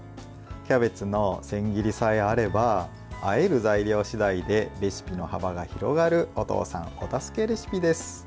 キャベツの千切りさえあればあえる材料次第でレシピの幅が広がるお父さんお助けレシピです。